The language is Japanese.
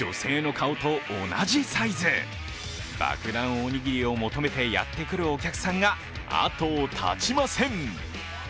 おにぎりを求めてやってくるお客さんが後を絶ちません。